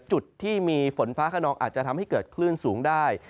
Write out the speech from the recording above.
จุดที่มีฝนฟ้าขนองอาจจะทำให้เกิดคลื่นสูงได้